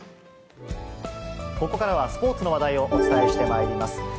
ここからはスポーツの話題をお伝えしてまいります。